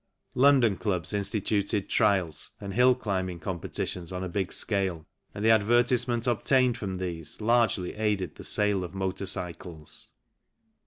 London clubs instituted trials and hill climbing competitions on a big scale, and the advertisement obtained from these largely aided the sale of motor cycles.